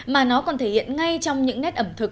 mà nó còn thể hiện ngay trong những nét ẩm thực